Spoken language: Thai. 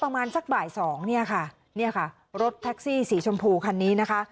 ประมาณสักบ่ายสองเนี่ยค่ะเนี่ยค่ะรถแท็กซี่สีชมพูคันนี้นะคะ